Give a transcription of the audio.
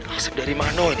asap dari mana ini